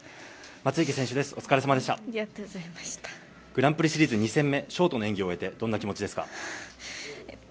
グランプリシリーズ２戦目ショートの演技を終えてどんな気持ちですか？